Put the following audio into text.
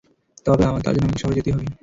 তবে তার জন্য আমাকে শহরে যেতে হবে।